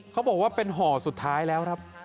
เขาบอกว่าเป็นห่อสุดท้ายแล้วครับ